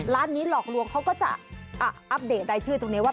ร้านนี้หลอกลวงเขาก็จะอัปเดตรายชื่อตรงนี้ว่า